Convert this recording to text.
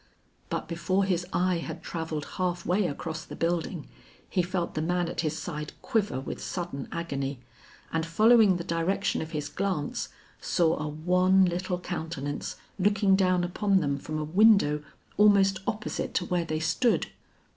But before his eye had travelled half way across the building, he felt the man at his side quiver with sudden agony, and following the direction of his glance, saw a wan, little countenance looking down upon them from a window almost opposite to where they stood.